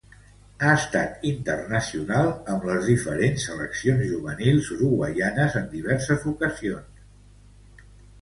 Ha estat internacional amb les diferents seleccions juvenils uruguaianes en diverses ocasions.